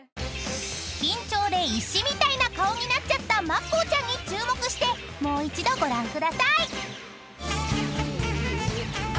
［緊張で石みたいな顔になっちゃったまっこーちゃんに注目してもう一度ご覧ください］